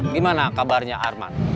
gimana kabarnya arman